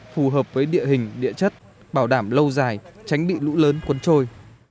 phù hợp với địa hình địa chất bảo đảm lâu dài tránh bị lũ lớn cuốn trôi